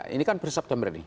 ini kan per september ini